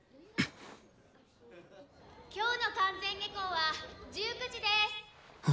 今日の完全下校は１９時です。